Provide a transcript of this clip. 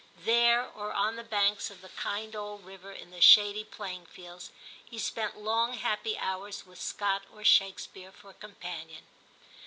There or on the banks of the kind old river in the shady playing fields he spent long happy hours with Scott or Shakespeare for companion.